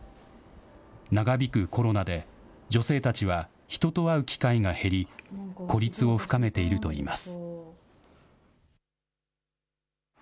長引くコロナで、女性たちは人と会う機会が減り、孤立を深めているといいます。